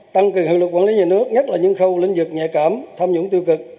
tăng cường hiệu lực quản lý nhà nước nhất là những khâu lĩnh vực nhạy cảm tham nhũng tiêu cực